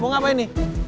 mau ngapain nih